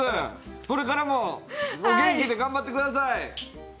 これからもお元気で頑張ってください。